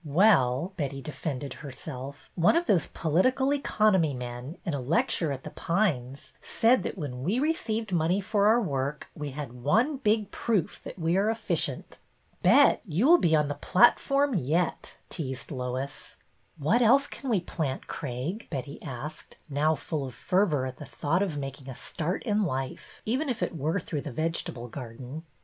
"Well," Betty defended herself, "one of those political economy men, in a lecture at The Pines, said that when we received money for our work we had one big proof that we are efficient." " Bet, you will be on the platform yet," teased Lois. 88 BETTY BAIRD'S VENTURES '' What else can we plant, Craig? " Betty asked, now full of fervor at the thought of making a start in life, even if it were through the vegetable garden.